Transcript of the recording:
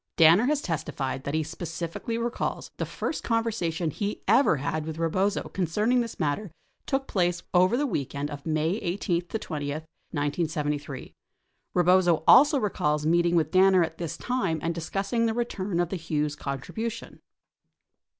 37 Danner has testified that he specifically recalls the first conversation he ever had with Rebozo con cerning this matter took place over the weekend of May 18 20, 1973. 38 Rebozo also recalls meeting with Danner at this time and discussing the return of the Hughes contribution.